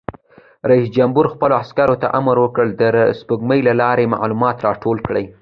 رئیس جمهور خپلو عسکرو ته امر وکړ؛ د سپوږمکۍ له لارې معلومات راټول کړئ!